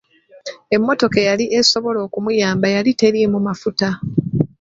Emmotoka eyali esobola okumuyamba yali teriimu mafuta.